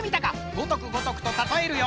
ごとくごとくとたとえるよ。